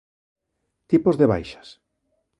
Tipos de baixas.